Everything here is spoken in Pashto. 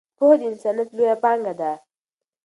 پوهه د انسانیت لویه پانګه ده.